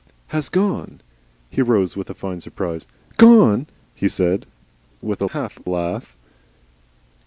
"Has gone." He rose with a fine surprise. "Gone!" he said with a half laugh.